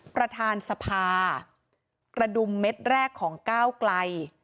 ประธานสภากระดุมเม็ดแรกของก้าวไกล